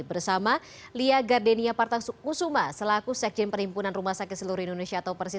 bersama lia gardenia partasuma selaku sekjen perhimpunan rumah sakit seluruh indonesia atau persis